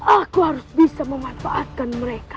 aku harus bisa memanfaatkan mereka